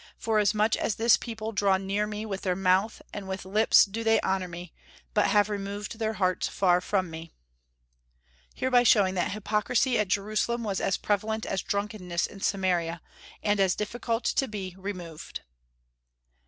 Forasmuch as this people draw near me with their mouth, and with lips do they honor me, but have removed their heart far from me," hereby showing that hypocrisy at Jerusalem was as prevalent as drunkenness in Samaria, and as difficult to be removed.